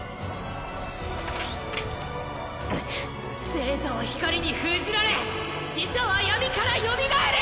生者は光に封じられ死者は闇からよみがえれ！